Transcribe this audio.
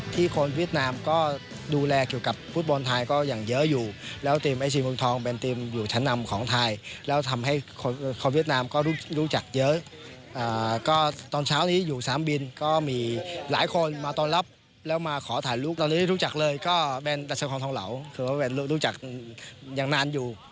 ตอนการจดซุปเปอร์สตาร์ทที่มีเชิงแบบนี้มีหลายหลายคนรู้จักอย่างนาน